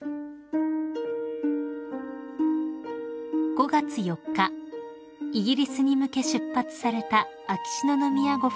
［５月４日イギリスに向け出発された秋篠宮ご夫妻］